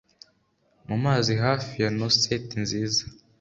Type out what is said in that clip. mu mazi hafi ya nauset nziza.